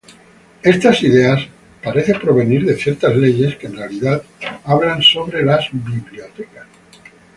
Esta idea parece provenir de ciertas leyes que en realidad hablan sobre las bibliotecas.